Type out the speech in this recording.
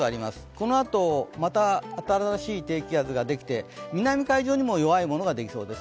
このあとまた新しい低気圧ができて南海上にも弱いものができそうです。